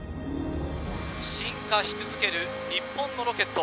進化し続ける日本のロケット。